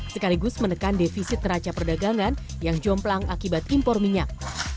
sekaligus menekan defisit neraca perdagangan yang jomplang akibat impor minyak